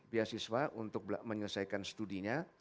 biasiswa untuk menyelesaikan studinya